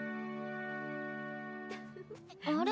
あれ？